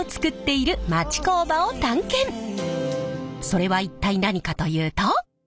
それは一体何かというと。